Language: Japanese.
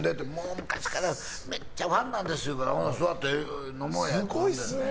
昔からめっちゃファンなんですって言うから座って飲もうやって。